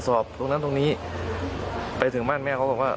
ก็เลยตามไปที่บ้านไม่พบตัวแล้วค่ะ